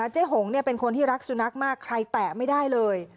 หงเป็นคนที่รักสุนัขมากใครแตะไม่ได้เลย